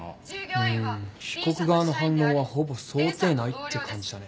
うーん被告側の反論はほぼ想定内って感じだね。